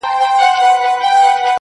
هر کور يو غم لري تل,